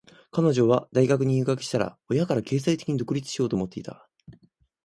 彼女は大学に入学したら、親から経済的に独立しようと思っていた。